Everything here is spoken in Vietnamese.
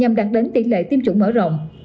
nhằm đạt đến tỷ lệ tiêm chủng mở rộng